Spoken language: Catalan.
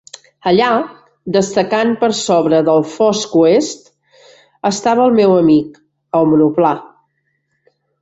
Allà, destacant per sobre del fosc oest, estava el meu amic, el monoplà.